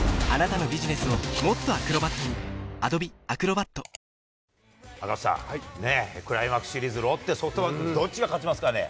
「サッポロクラフトスパイスソーダ」赤星さん、クライマックスシリーズ、ロッテ、ソフトバンク、どっちが勝ちますかね。